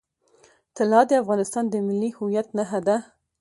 طلا د افغانستان د ملي هویت نښه ده.